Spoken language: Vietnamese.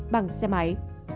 bằng xe máy